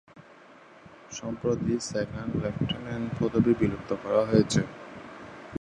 সম্প্রতি second lieutenant পদবী বিলুপ্ত করা হয়েছে।